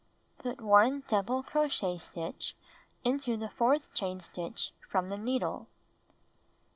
Put 1 double cro chet stitch into the fourth chain stitch from the needle.